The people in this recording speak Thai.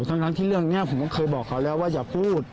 ทั้งที่เรื่องนี้ผมก็เคยบอกเขาแล้วว่าอย่าพูด